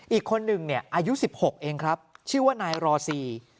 อีกคนหนึ่งอายุ๑๖เองครับชื่อว่านายรอซี